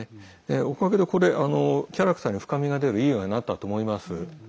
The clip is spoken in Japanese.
おかげで、これキャラクターに深みが出るいい映画になったと思います。